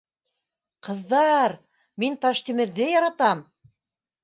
— Ҡыҙҙа-ар, мин Таштимерҙе яратам